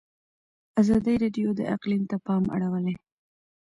ازادي راډیو د اقلیم ته پام اړولی.